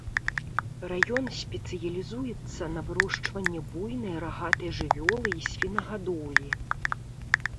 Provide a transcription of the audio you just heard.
Раён спецыялізуецца на вырошчванні буйнай рагатай жывёлы і свінагадоўлі.